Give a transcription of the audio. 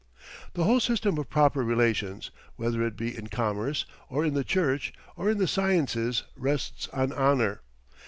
The whole system of proper relations, whether it be in commerce, or in the Church, or in the sciences, rests on honour.